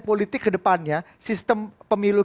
politik kedepannya sistem pemilu